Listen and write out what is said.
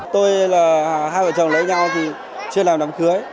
tôi là hai vợ chồng lấy nhau thì chưa làm đám cưới